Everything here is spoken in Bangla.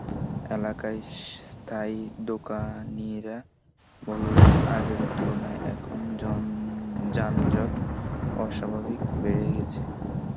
এলাকার স্থায়ী দোকানিরা বললেন, আগের তুলনায় এখানে যানজট অস্বাভাবিক বেড়ে গেছে।